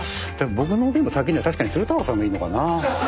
僕の先には確かに鶴太郎さんがいるのかな。